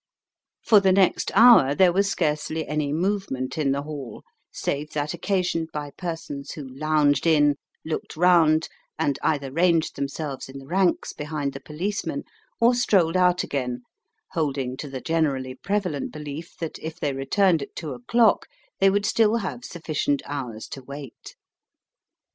For the next hour there was scarcely any movement in the Hall, save that occasioned by persons who lounged in, looked round, and either ranged themselves in the ranks behind the policemen, or strolled out again, holding to the generally prevalent belief that if they returned at two o'clock they would still have sufficient hours to wait.